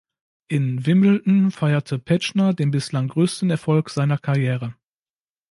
In Wimbledon feierte Petzschner den bislang größten Erfolg seiner Karriere.